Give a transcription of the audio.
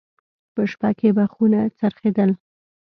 په شپه کې به خونه څرخېدل.